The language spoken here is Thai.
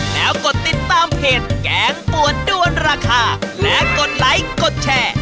แล้วกดติดตามเพจแกงปวดด้วนราคาและกดไลค์กดแชร์